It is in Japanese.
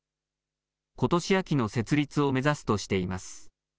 ことし秋の設立を目指すとしています。